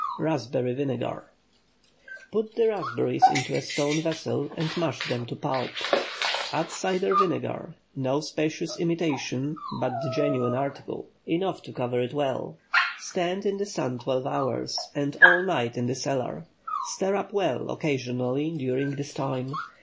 RASPBERRY VINEGAR. ✠ Put the raspberries into a stone vessel and mash them to a pulp. Add cider vinegar—no specious imitation, but the genuine article—enough to cover it well. Stand in the sun twelve hours, and all night in the cellar. Stir up well occasionally during this time.